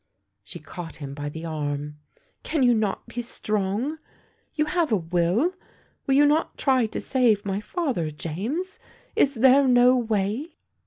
She caught him by the arm. " Can you not be strong? You have a will. Will you not try to save my father, James? Is there no way?